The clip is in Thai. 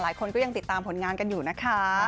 หลายคนก็ยังติดตามผลงานกันอยู่นะคะ